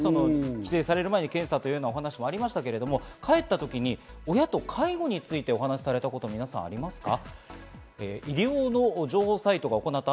帰省される前に検査というお話もありましたが、帰った時に親と介護についてお話されたこと皆さんありますか？